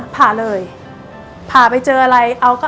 ผ่าเลยผ่าไปเจออะไรเอาก็